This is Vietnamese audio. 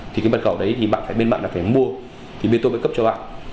thì cái bật khẩu đấy thì bên bạn phải mua thì bên tôi mới cấp cho bạn